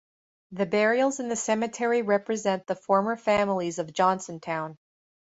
The burials in the cemetery represent the former families of Johnsontown.